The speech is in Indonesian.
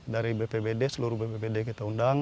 dari bpbd seluruh bppd kita undang